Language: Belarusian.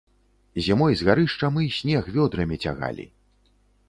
Зімой з гарышча мы снег вёдрамі цягалі.